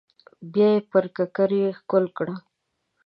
بيا يې پر ککرۍ ښکل کړه.